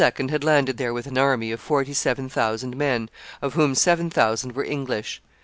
had landed there with an army of forty seven thousand men, of whom seven thousand were English.